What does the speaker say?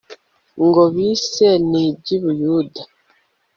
ngo bise nibyI Buyuda